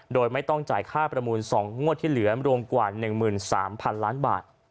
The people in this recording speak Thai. โดยไม่ต้องจ่ายค่าประมูล๒งวดที่เหลือรวมกว่า๑๓๐๐๐ล้านบาท